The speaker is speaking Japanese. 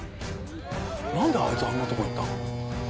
なんであいつあんなとこ行ったの？